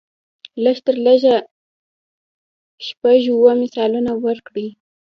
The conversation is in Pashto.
لږ تر لږه شپږ اووه مثالونه ورکړو.